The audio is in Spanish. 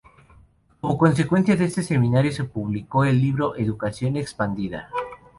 Como consecuencia de este seminario se publicó el libro "Educación Expandida".